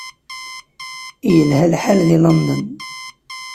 Yelha lḥal deg London.